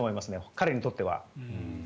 彼にとっては。